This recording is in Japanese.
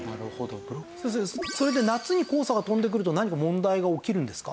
それで夏に黄砂が飛んでくると何か問題が起きるんですか？